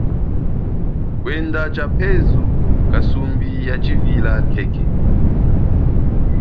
Kwenda tshaphezu kasumbi yatshivila khekhe.